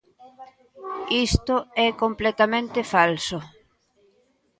Isto é completamente falso.